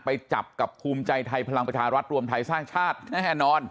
ไปจับกับภูมิใจไทยพลังประชารัฐรวมไทยสร้างชาติแน่นอน